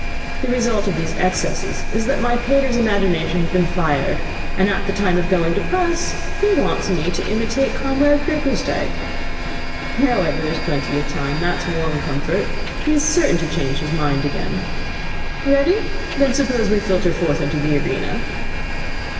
The result of these excesses is that my pater's imagination has been fired, and at time of going to press he wants me to imitate Comrade Bickersdyke. However, there's plenty of time. That's one comfort. He's certain to change his mind again. Ready? Then suppose we filter forth into the arena?'